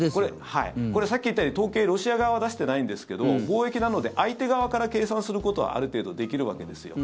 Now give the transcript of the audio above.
これ、さっき言ったように統計をロシア側は出してないんですけど貿易なので相手側から計算することはある程度、できるわけですよ。